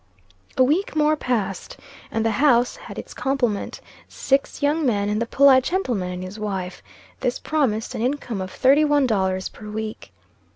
A week more passed away, and the house had its complement, six young men, and the polite gentleman and his wife. This promised an income of thirty one dollars per week.